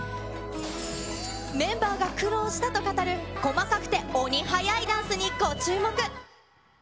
メンバーが苦労したと語る細かくて鬼速いダンスにご注目。